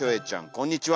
こんにちは。